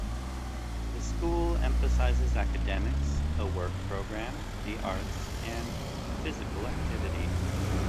The school emphasizes academics, a work program, the arts, and physical activity.